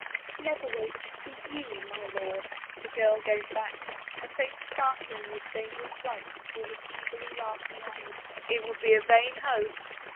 " But never waits — for you, my lord," the girl gave back, her face sparkling with dangerous light before his evilly laughing eyes. " It would be a vain hope."